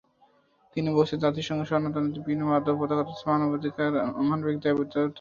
তিনি বলেছেন, জাতিসংঘ সনদ অনুযায়ী বিভিন্ন বাধ্যবাধকতা রয়েছে, মানবিক দায়বদ্ধতাও রয়েছে।